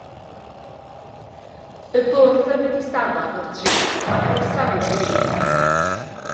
Y bwrdd oedd y distawaf o'r tri a'r hawsaf i'w drin.